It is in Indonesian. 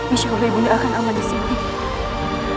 insya allah ibu nda akan amat di sini